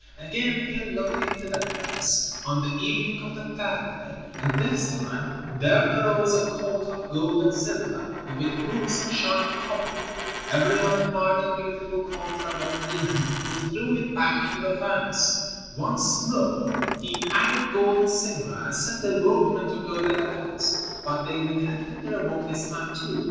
Again he looked into the furnace, on the evening of the third day, and this time there arose a colt of gold and silver and with hoofs of shining copper. Every one admired the beautiful colt save Ilmarinen, who threw it back into the furnace. Once more he added gold and silver and set the workmen to blow the bellows, but they neglected their work this time too.